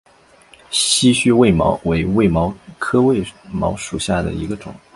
稀序卫矛为卫矛科卫矛属下的一个种。